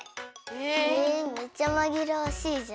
へえめっちゃまぎらわしいじゃん。